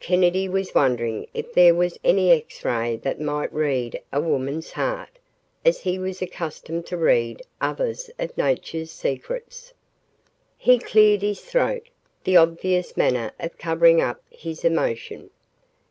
Kennedy was wondering if there was any X ray that might read a woman's heart, as he was accustomed to read others of nature's secrets. He cleared his throat, the obvious manner of covering up his emotion.